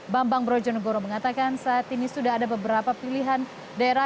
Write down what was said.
bambang brojonegoro mengatakan saat ini sudah ada beberapa pilihan daerah